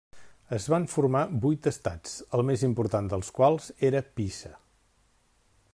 Es van formar vuit estats, el més important dels quals era Pisa.